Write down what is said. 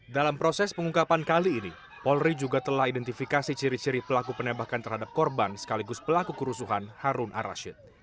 dalam proses pengungkapan kali ini polri juga telah identifikasi ciri ciri pelaku penembakan terhadap korban sekaligus pelaku kerusuhan harun arashid